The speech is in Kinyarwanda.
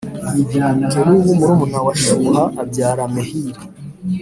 Kelubu murumuna wa Shuha abyara Mehiri